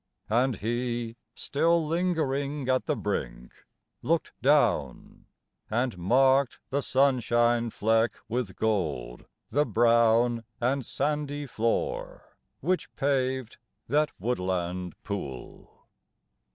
And he, still lingering at the brink, looked down And marked the sunshine fleck with gold the brown And sandy floor which paved that woodland pool.